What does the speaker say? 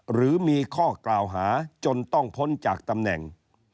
หรือมีข้อกล่าวหาจนต้องพ้นจากตำแหน่ง